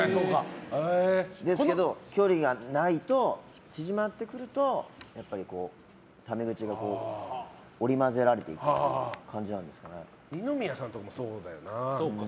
ですけど、距離がないと縮まってくるとやっぱりタメ口が織り交ぜられていく二宮さんとかもそうだよな。